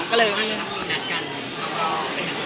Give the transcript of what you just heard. จะพอมี๑๙๓๐แล้วเภากราว